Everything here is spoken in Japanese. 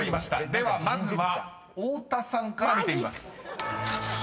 ［ではまずは太田さんから見てみます］